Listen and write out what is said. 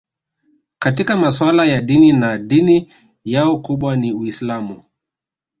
Katika masuala ya dini na dini yao kubwa ni Uislamu